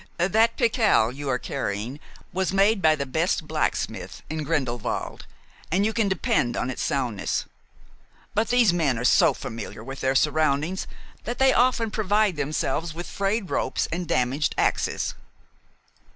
That pickel you are carrying was made by the best blacksmith in Grindelwald, and you can depend on its soundness; but these men are so familiar with their surroundings that they often provide themselves with frayed ropes and damaged axes."